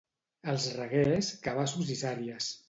Als Reguers, cabassos i sàries.